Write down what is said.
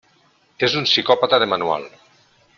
És un psicòpata de manual.